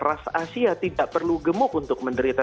ras asia tidak perlu gemuk untuk menderita